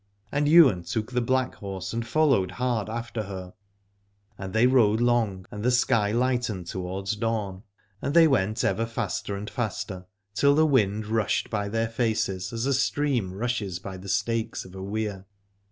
And Ywain took the black horse and followed hard after her : 55 Aladore and they rode long and the sky lightened towards dawn, and they went ever faster and faster, till the wind rushed by their faces as a stream rushes by the stakes of a weir.